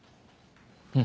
うん。